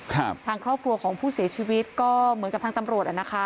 ทางครอบครัวของผู้เสียชีวิตก็เหมือนกับทางตำรวจอ่ะนะคะ